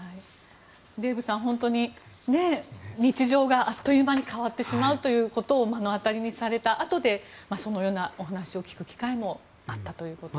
デーブさん日常があっという間に変わってしまうということを目の当たりにされたあとでそのようなお話を聞く機会もあったということです。